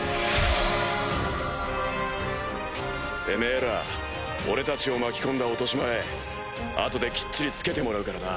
てめぇら俺たちを巻き込んだ落とし前後できっちりつけてもらうからな。